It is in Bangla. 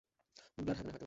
ব্লাডহেভেনে, হয়তো।